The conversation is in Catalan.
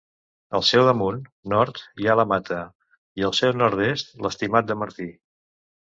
Al seu damunt -nord- hi ha la Mata i al seu nord-est, l'Estimat de Martí.